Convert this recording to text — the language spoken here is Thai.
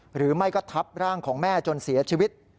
หรือไม่ก็ทับร่างของแม่จนเสียชีวิต